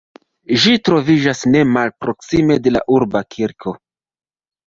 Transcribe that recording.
Ĝi troviĝas ne malproksime de la urba kirko.